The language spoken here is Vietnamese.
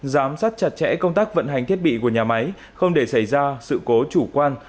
giám sát chặt chẽ công tác vận hành thiết bị của nhà máy không để xảy ra sự cố chủ quan